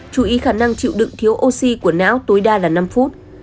chú ý khả năng chịu đựng thiếu oxy của não tối đa là năm phút